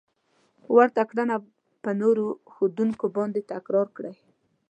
ورته کړنه په نورو ښودونکو باندې تکرار کړئ.